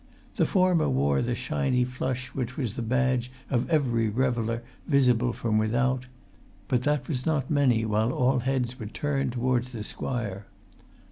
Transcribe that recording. The former wore the shiny flush which was the badge of every reveller visible from without; but that was not many while all heads were turned towards the squire.